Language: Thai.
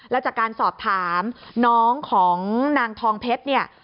แล้วจากการสอบถามน้องของนางทองเพชรเนี่ย